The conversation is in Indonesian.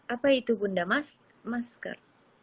apa itu bunda masker